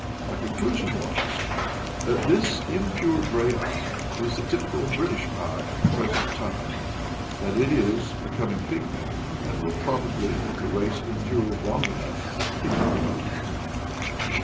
My conclusion was, that this impure gray eye is the typical British eye at the present time; that it is becoming pigmented, and will probably, if the race endures long enough, become dark.